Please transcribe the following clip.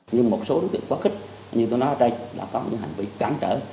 như một số đối tượng quá khích như tôi nói ở đây đã có những hành vi cán trở